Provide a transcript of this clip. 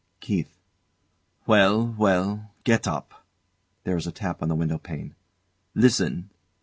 ] KEITH. Well, well! Get up. [There is a tap on the window pane] Listen!